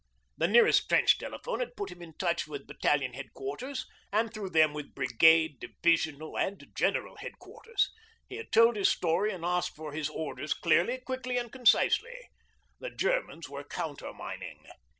The nearest trench telephone had put him in touch with Battalion Headquarters, and through them with Brigade, Divisional, and General Headquarters. He had told his story and asked for his orders clearly, quickly, and concisely. The Germans were countermining.